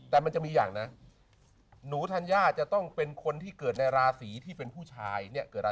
แต่มันจะมีอย่างนะหนูธัญญาจะต้องเป็นคนที่เกิดในราศีที่เป็นผู้ชาย